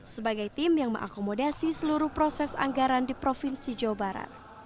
sebagai tim yang mengakomodasi seluruh proses anggaran di provinsi jawa barat